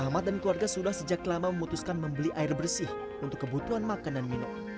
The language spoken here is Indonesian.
ahmad dan keluarga sudah sejak lama memutuskan membeli air bersih untuk kebutuhan makanan minum